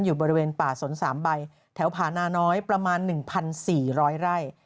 อยู่บริเวณป่าสน๓ใบแถวผานาน้อยประมาณ๑๔๐๐ไร่